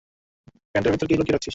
প্যান্টের ভেতরে কী লুকিয়ে রেখেছিস।